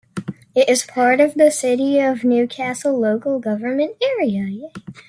It is part of the City of Newcastle local government area.